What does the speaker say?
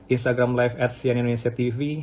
instagram live at sian indonesia tv